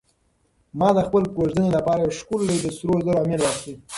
ما د خپلې کوژدنې لپاره یو ښکلی د سرو زرو امیل واخیست.